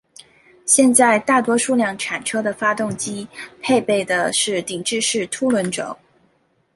现在大多数量产车的发动机配备的是顶置式凸轮轴。